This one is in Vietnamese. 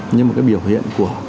nhưng mà cái biểu hiện thì